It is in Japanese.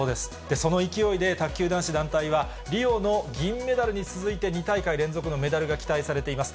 その勢いで卓球男子団体は、リオの銀メダルに続いて、２大会連続のメダルが期待されています。